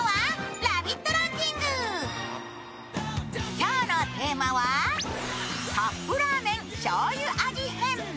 今日のテーマはカップラーメンしょうゆ味編。